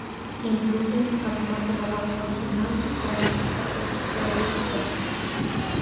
Incluye, además de la banda original, teclados por parte de Claudio Cardone.